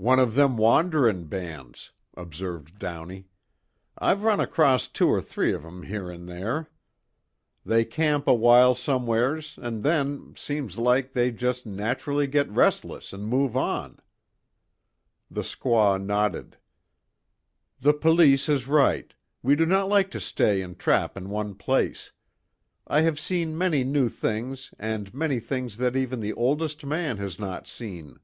"One of them wanderin' bands," observed Downey. "I've run across two or three of 'em here an' there. They camp a while somewheres an' then, seems like, they just naturally get restless an' move on." The squaw nodded: "The police is right. We do not like to stay and trap in one place. I have seen many new things, and many things that even the oldest man has not seen."